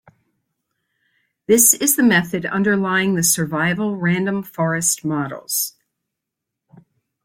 This is the method underlying the survival random forest models.